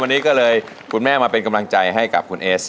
วันนี้ก็เลยคุณแม่มาเป็นกำลังใจให้กับคุณเอส